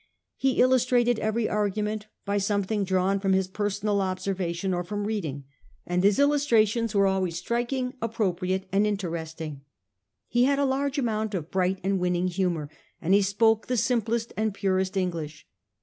He illustrated every argument by something drawn from his personal observation or from reading, and his illustrations were always striking, appropriate and interesting. He had a large amount of bright and winning humour, and he spoke the simplest and purest English.